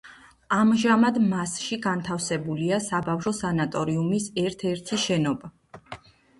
ამჟამად მასში განთავსებულია საბავშვო სანატორიუმის ერთ-ერთი შენობა.